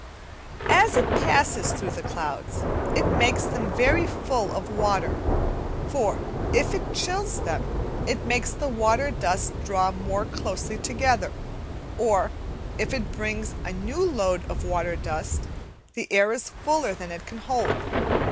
As it passes through the clouds, it makes them very full of water, for, if it chills them, it makes the water dust draw more closely together; or, if it brings a new load of water dust, the air is fuller than it can hold.